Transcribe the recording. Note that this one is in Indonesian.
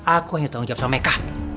aku hanya tanggung jawab sama mereka